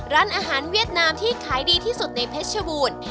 ร้านอาหารเวียดนามที่ขายดีที่สุดในเพชรบูรณ์